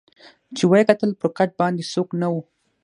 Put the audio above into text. چي یې وکتل پر کټ باندي څوک نه وو